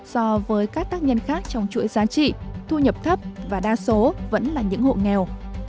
so với các tác nhân khác trong chuỗi giá trị thu nhập thấp và đa số vẫn là những hộ nghèo